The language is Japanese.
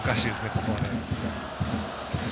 ここはね。